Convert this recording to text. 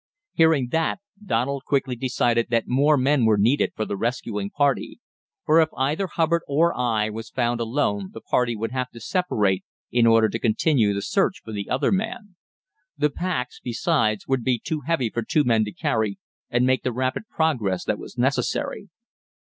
Hearing that, Donald quickly decided that more men were needed for the rescuing party; for if either Hubbard or I was found alone the party would have to separate in order to continue the search for the other man. The packs, besides, would be too heavy for two men to carry and make the rapid progress that was necessary.